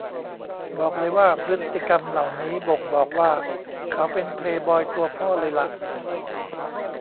บอกเลยว่าพฤติกรรมเหล่านี้บ่งบอกว่าเขาเป็นเพลย์บอยตัวพ่อเลยล่ะ